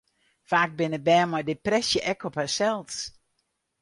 Faak binne bern mei depresje ek op harsels.